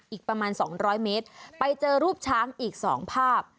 อีกประมาณ๒๐๐เมตรไปเจอรูปช้างอีก๒ภาพ